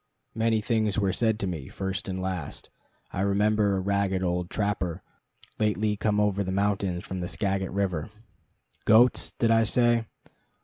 Many things were said to me, first and last. I remember a ragged old trapper, lately come over the mountains from the Skagit River. Goats, did I say?